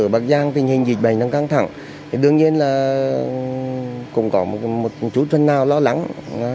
bác giang tình hình dịch bệnh đang căng thẳng đương nhiên là cũng có một chút phần nào lo lắng